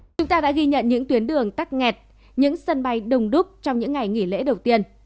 chúng ta đã ghi nhận những tuyến đường tắt nghẹt những sân bay đông đúc trong những ngày nghỉ lễ đầu tiên